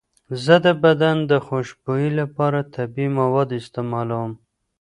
زه د بدن د خوشبویۍ لپاره طبیعي مواد استعمالوم.